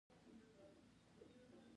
دلته سافټویر او ټیکنالوژي سره یوځای کیږي.